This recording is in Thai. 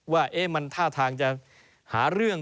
ว่ามันท่าทางจะหาเรื่อง